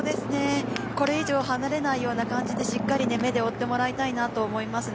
これ以上離れないような感じでしっかり目で追ってもらいたいなと思いますね。